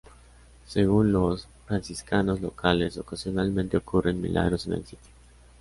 Según los franciscanos locales, ocasionalmente ocurren milagros en el sitio.